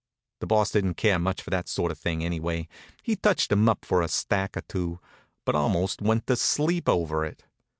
The Boss didn't care much for that sort of thing anyway. He touched 'em up for a stack or two, but almost went to sleep over it.